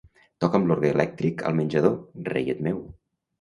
Toca'm l'orgue elèctric al menjador, reiet meu.